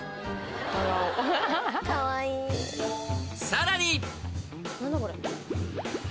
［さらに］